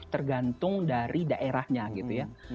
tergantung dari daerahnya gitu ya